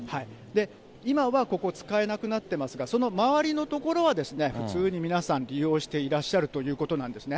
今はここ、使えなくなってますが、その周りの所は普通に皆さん、利用していらっしゃるということなんですね。